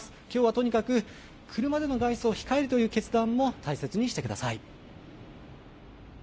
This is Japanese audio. きょうはとにかく、車での外出を控えるという決断も大切にしてください。